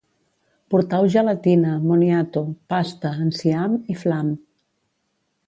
Portau gelatina, moniato, pasta, enciam i flam